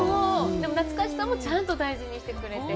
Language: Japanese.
でも、懐かしさもちゃんと大事にしてくれて。